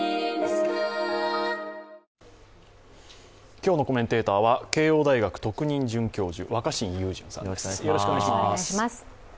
今日のコメンテーターは慶応大学特任准教授若新雄純さんです、よろしくお願いします。